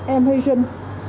em hy sinh